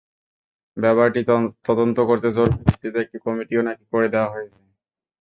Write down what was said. ব্যাপারটি তদন্ত করতে জরুরি ভিত্তিতে একটি কমিটিও নাকি করে দেওয়া হয়েছে।